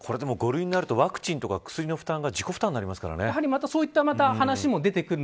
５類になるとワクチンの薬なども自己負担になりますからね。